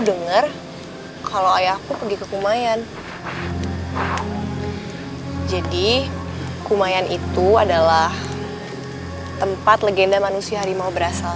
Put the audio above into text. dengar kalau ayahku pergi ke kumayan jadi kumayan itu adalah tempat legenda manusia harimau berasal